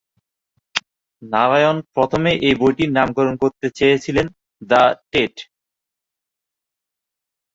নারায়ণ প্রথমে এই বইটির নামকরণ করতে চেয়েছিলেন "দ্য টেট"।